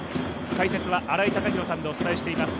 解説は新井貴浩さんでお伝えしています。